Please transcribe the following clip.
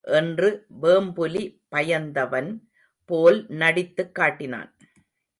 என்று வேம்புலி பயந்தவன் போல் நடித்து காட்டினான்.